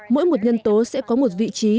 mỗi một nhân tố sẽ có một vị trí